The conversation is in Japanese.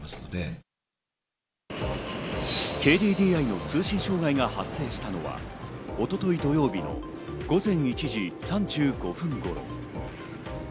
ＫＤＤＩの通信障害が発生したのは一昨日土曜日の午前１時３５分頃。